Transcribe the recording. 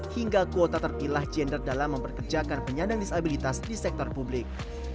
hingga kuota terpilah gender dalam memperkerjakan penyandang disabilitas di sektor publik